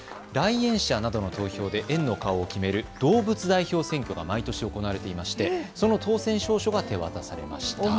来園者などの投票で園の顔を決める動物代表選挙が毎年行われていましてその当選証書が手渡されました。